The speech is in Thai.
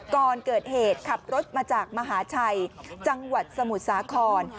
ก่อนเกิดเหตุขับรถมาจากมหาชัยจังหวัดสมุทรสาคร